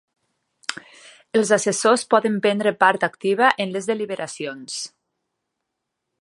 Els assessors poden prendre part activa en les deliberacions.